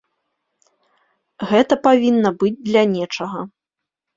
Гэта павінна быць для нечага.